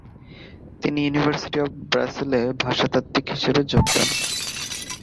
তিনি university of Basel এ ভাষাতাত্ত্বিক হিসেবে যোগ দেন।